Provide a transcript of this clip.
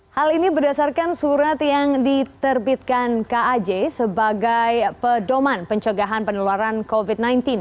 hal ini berdasarkan surat yang diterbitkan kaj sebagai pedoman pencegahan penularan covid sembilan belas